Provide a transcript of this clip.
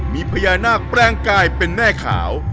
มีพญานาคแปลงกายเป็นแม่ขาว